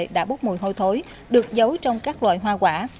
đã bốc mùi hôi thối được giấu trong các loại hoa quả